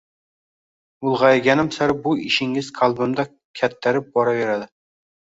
Ulgʻayganim sari bu ishingiz qalbimda kattarib boraverdi.